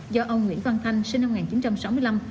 do ông nguyễn văn thanh sinh năm một nghìn chín trăm sáu mươi năm